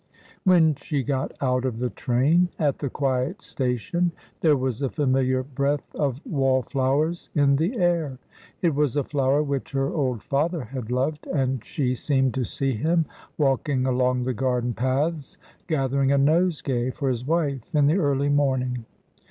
When she got out of the train at the quiet station there was the familiar breath of wallflowers in the air. It was a flower which her old father had loved, and she seemed to see him walking along the garden paths, gathering a nosegay for his wife in the early morning.